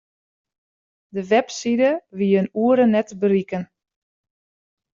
De webside wie in oere net te berikken.